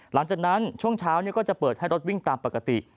หลังจากนั้นช่วงเช้าก็จะเปิดให้รถวิ่งตามปกติ